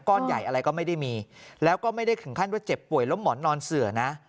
ก้อนใหญ่อะไรก็ไม่ได้มีแล้วก็ไม่ได้ถึงขั้นว่าเจ็บป่วยล้มหมอนนอนเสือนะ